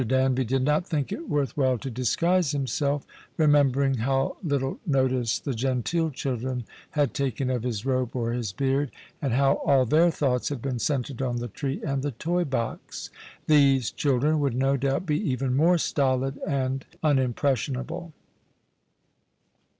Danby did not think it worth while The Christmas Hirelings. 175 to disguise himself, remembering how little notice the genteel children had taken of his robe or his beard, and how all their thoughts had been centred on the tree and the toy box. These children would no doubt be even more stolid and unimpressionable.